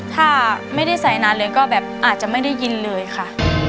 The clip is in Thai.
ถ้าไม่ได้ใส่นานเลยก็แบบอาจจะไม่ได้ยินเลยค่ะ